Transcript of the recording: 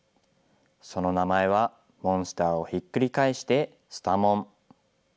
その名前はモンスターをひっくり返してスタモン。